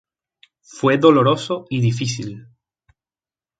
Fue doloroso y difícil.